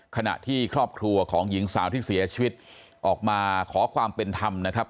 ขณะที่ครอบครัวของหญิงสาวที่เสียชีวิตออกมาขอความเป็นธรรมนะครับ